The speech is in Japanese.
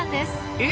え？